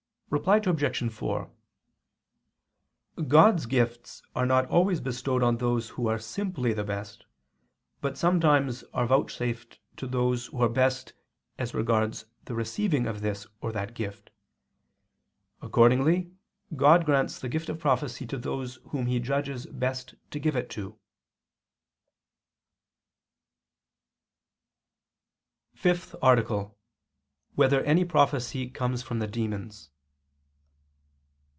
Reply Obj. 4: God's gifts are not always bestowed on those who are simply the best, but sometimes are vouchsafed to those who are best as regards the receiving of this or that gift. Accordingly God grants the gift of prophecy to those whom He judges best to give it to. _______________________ FIFTH ARTICLE [II II, Q. 172, Art. 5] Whether Any Prophecy Comes from the Demons?